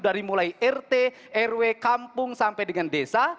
dari mulai rt rw kampung sampai dengan desa